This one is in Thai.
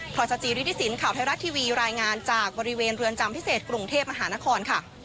พรจจีริทศิลป์ข่าวไทยรัฐทีวีรายงานจากบริเวณเรือนจำพิเศษกรุงเทพอาหารคลนะคะ